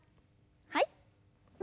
はい。